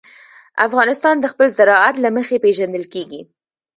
افغانستان د خپل زراعت له مخې پېژندل کېږي.